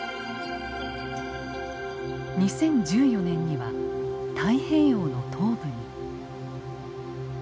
２０１４年には太平洋の東部に。